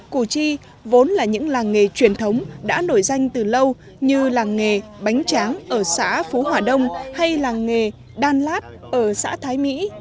củ chi vốn là những làng nghề truyền thống đã nổi danh từ lâu như làng nghề bánh tráng ở xã phú hòa đông hay làng nghề đan lát ở xã thái mỹ